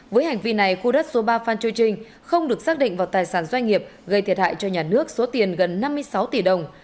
với hành vi này khu đất số ba phan châu trinh không được xác định vào tài sản doanh nghiệp gây thiệt hại cho nhà nước số tiền gần năm mươi sáu tỷ đồng